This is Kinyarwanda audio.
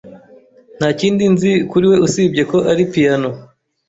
Nta kindi nzi kuri we usibye ko ari piyano.